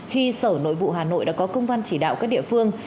khi sở nội vụ hà nội đã có công văn chỉ đạo các địa phương